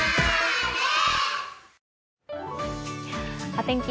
お天気